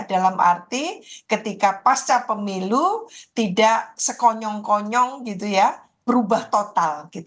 dalam arti ketika pasca pemilu tidak sekonyong konyong gitu ya berubah total